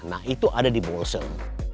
nah itu ada di ball cell